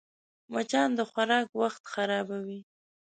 مچان د خوراک وخت خرابوي